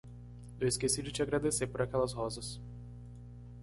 Eu esqueci de te agradecer por aquelas rosas.